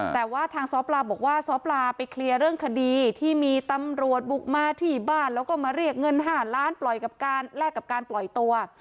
แต่ว่าทางซ้อปลาบอกว่าซ้อปลาไปเคลียร์เรื่องคดีที่มีตำรวจบุกมาที่บ้านแล้วก็มาเรียกเงิน๕ล้านปล่อยกับการแลกกับการปล่อยตัว